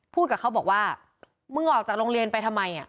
กับเขาบอกว่ามึงออกจากโรงเรียนไปทำไม